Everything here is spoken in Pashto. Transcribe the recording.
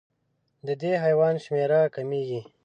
د دې حیوان شمېره کمېږي.